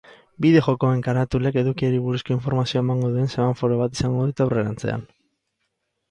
Bideo-jokoen karatulek edukiari buruzko informazioa emango duen semaforo bat izango dute aurrerantzean.